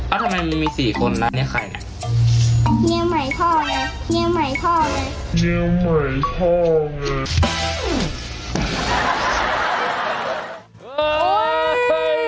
อ้าวทำไมมีมีสี่คนแล้วเนี้ยใครน่ะเงียบใหม่พ่อไง